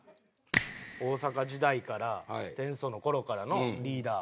大阪時代から天素の頃からのリーダー。